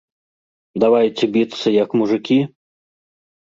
Давайце біцца як мужыкі!?